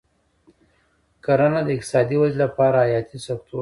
کرنه د اقتصادي ودې لپاره حیاتي سکتور دی.